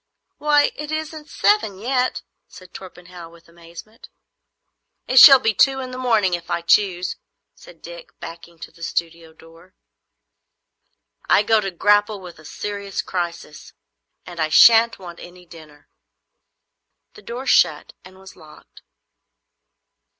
"Why, it isn't seven yet!" said Torpenhow, with amazement. "It shall be two in the morning, if I choose," said Dick, backing to the studio door. "I go to grapple with a serious crisis, and I shan't want any dinner." The door shut and was locked.